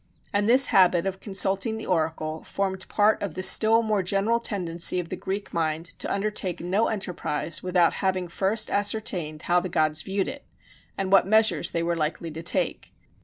And this habit of consulting the oracle formed part of the still more general tendency of the Greek mind to undertake no enterprise without having first ascertained how the gods viewed it, and what measures they were likely to take.